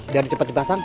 dan cepet cepet pasang